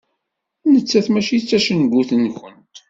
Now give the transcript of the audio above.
Nettat mačči d tacengut-nkent.